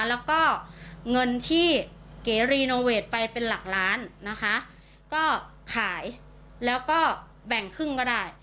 แล้วก็เงินที่เก๋รีโนเวทไปเป็นหลักล้านนะคะก็ขายแล้วก็แบ่งครึ่งก็ได้